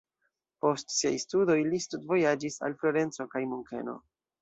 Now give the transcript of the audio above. Post siaj studoj li studvojaĝis al Florenco kaj Munkeno.